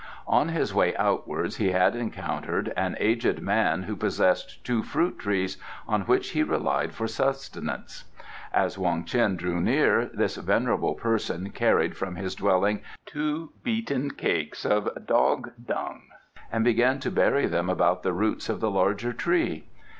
On his way outwards he had encountered an aged man who possessed two fruit trees, on which he relied for sustenance. As Wong Ts'in drew near, this venerable person carried from his dwelling two beaten cakes of dog dung and began to bury them about the root of the larger tree.